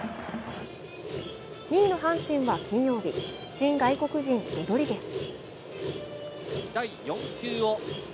２位の阪神は金曜日、新外国人・ロドリゲス。